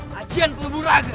hajian pelubur raga